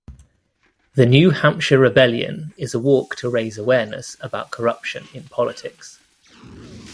The New Hampshire Rebellion is a walk to raise awareness about corruption in politics.